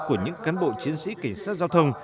của những cán bộ chiến sĩ cảnh sát giao thông